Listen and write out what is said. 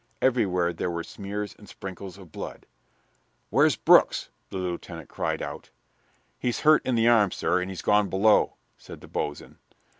Everywhere there were smears and sprinkles of blood. "Where's Brookes?" the lieutenant called out. "He's hurt in the arm, sir, and he's gone below," said the boatswain.